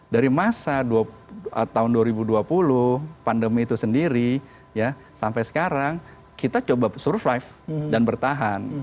dari masa tahun dua ribu dua puluh pandemi itu sendiri sampai sekarang kita coba survive dan bertahan